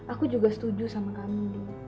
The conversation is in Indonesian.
aku juga setuju sama kami